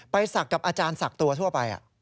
ไปสักกับอาจารย์สักตัวทั่วไป